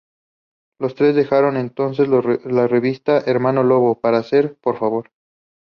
Los tres dejaron entonces la revista "Hermano Lobo", para hacer "Por Favor".